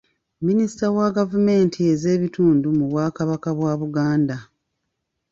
Minisita wa gavumenti ez'ebitundu mu Bwakabaka bwa Buganda